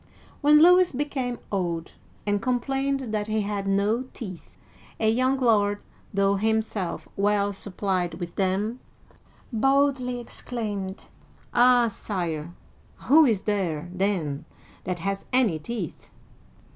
'* When Louis became old and complained that he had no teeth, a young lord, though himself well supplied with them, boldly exclaimed, "Ah, Sire, who is there, then, that has any teeth